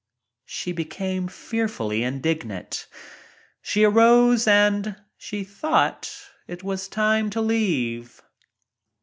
She became fearfully indignant. She arose and said she thought it was time to leave.